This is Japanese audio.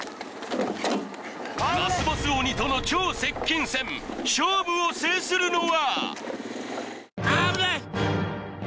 ラスボス鬼との超接近戦勝負を制するのは！？